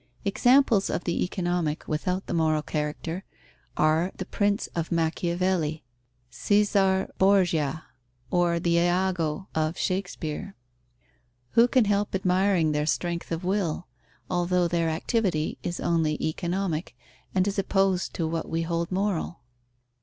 Examples of the economic, without the moral character, are the Prince of Machiavelli, Caesar Borgia, or the Iago of Shakespeare. Who can help admiring their strength of will, although their activity is only economic, and is opposed to what we hold moral?